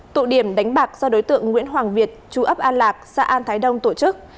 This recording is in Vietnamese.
tụ điểm đánh bạc do đối tượng nguyễn hoàng việt chú ấp an lạc xã an thái đông tổ chức